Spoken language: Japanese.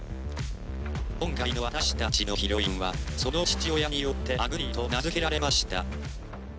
今回の私たちのヒロインはその父親によって「あぐり」と名付けられました。